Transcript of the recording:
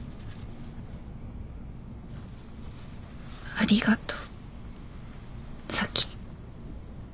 「ありがとうサキ」